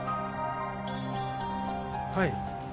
はい。